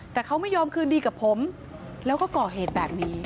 แต่เขาไม่ยอมคืนดีกับผมแล้วก็ก่อเหตุแบบนี้